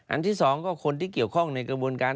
ที่๒ก็คนที่เกี่ยวข้องในกระบวนการ